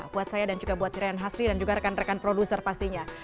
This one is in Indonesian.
buat saya dan juga buat rian hasri dan juga rekan rekan produser pastinya